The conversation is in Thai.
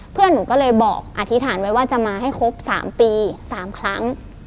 เพื่อนหนูก็เลยบอกอธิษฐานไว้ว่าจะมาให้ครบ๓ปี๓ครั้ง